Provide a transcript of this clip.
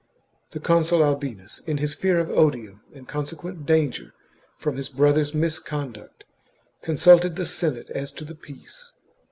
The consul Albinus, in his fear of odium and consequent danger from his brother's misconduct, consulted the Senate as to the peace.